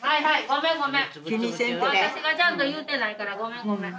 私がちゃんと言うてないからごめんごめん。